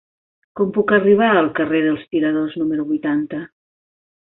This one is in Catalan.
Com puc arribar al carrer dels Tiradors número vuitanta?